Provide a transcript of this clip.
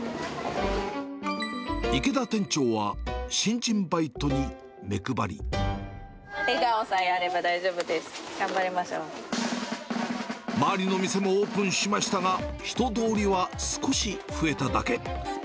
池田店長は、笑顔さえあれば大丈夫です、周りの店もオープンしましたが、人通りは少し増えただけ。